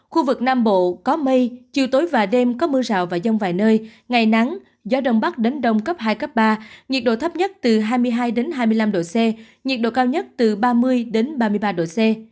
khu vực nam bộ có mây chiều tối và đêm có mưa rào và rông vài nơi ngày nắng gió đông bắc đến đông cấp hai cấp ba nhiệt độ thấp nhất từ hai mươi hai hai mươi năm độ c nhiệt độ cao nhất từ ba mươi ba mươi ba độ c